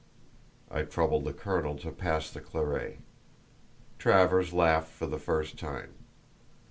I troubled the colonel to pass the claret. Travers laughed for the first time.